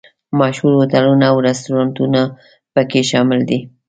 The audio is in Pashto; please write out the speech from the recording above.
مشهور هوټلونه او رسټورانټونه په کې شامل دي.